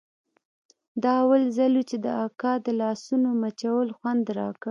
دا اول ځل و چې د اکا د لاسونو مچول خوند راکړ.